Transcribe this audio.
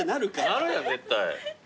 なるやん絶対。